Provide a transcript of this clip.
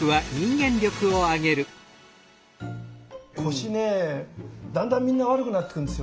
腰ねだんだんみんな悪くなってくるんですよね。